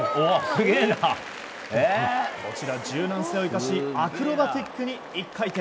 柔軟性を生かしアクロバティックに１回転！